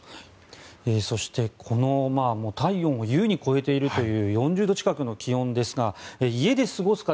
そしてこの体温を優に超えているという４０度近くの気温ですが家で過ごす方